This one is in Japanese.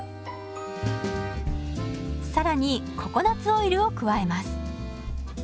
更にココナツオイルを加えます。